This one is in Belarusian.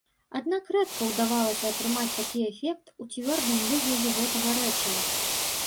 Аднак рэдка ўдавалася атрымаць такі эфект у цвёрдым выглядзе гэтага рэчыва.